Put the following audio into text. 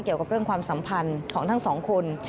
เกี่ยวกับเรื่องความสัมพันธ์ของทั้งสองคน